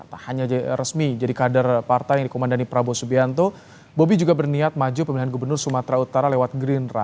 tak hanya resmi jadi kader partai yang dikomandani prabowo subianto bobi juga berniat maju pemilihan gubernur sumatera utara lewat gerindra